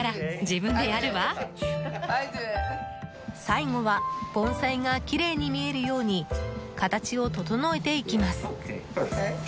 最後は盆栽が綺麗に見えるように形を整えていきます。